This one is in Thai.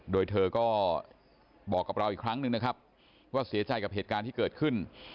โดยเธอก็บอกกับเราอีกครั้งหนึ่งนะครับว่าเสียใจกับเหตุการณ์ที่เกิดขึ้น